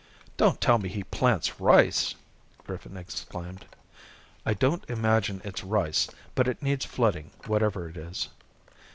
"Don't tell me he plants rice!" Griffin exclaimed. "I don't imagine it's rice, but it needs flooding whatever it is."